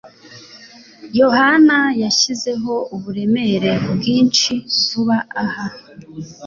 Yohana yashyizeho uburemere bwinshi vuba aha.